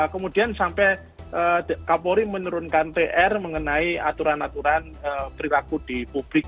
kemudian sampai kapolri menurunkan pr mengenai aturan aturan perilaku di publik